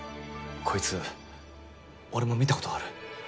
こいつ俺も見た事がある。